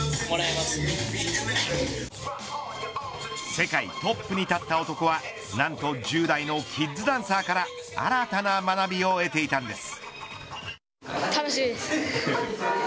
世界トップに立った男は何と１０代のキッズダンサーから新たな学びを得ていたんです。